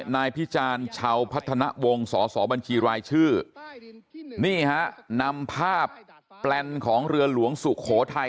นายพิจารณ์ชาวพัฒนวงสอสอบัญชีรายชื่อนี่ฮะนำภาพแปลนของเรือหลวงสุโขทัย